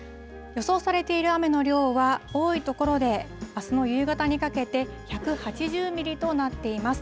予想されている雨の量は、多い所で、あすの夕方にかけて１８０ミリとなっています。